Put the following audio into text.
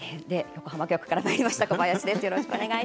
横浜局からまいりました小林です。